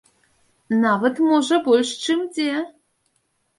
Нават, можа, больш, чым дзе.